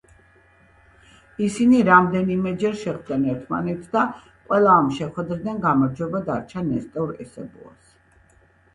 ისინი რამდენიმეჯერ შეხვდნენ ერთმანეთს და ყველა ამ შეხვედრიდან გამარჯვება დარჩა ნესტორ ესებუას.